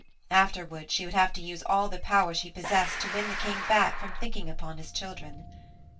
Afterward she would have to use all the power she possessed to win the king back from thinking upon his children.